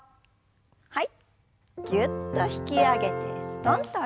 はい。